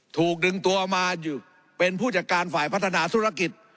ถูกดึงตัวมาเป็นผู้จัดการฝ่ายพัฒนาธุรกิจ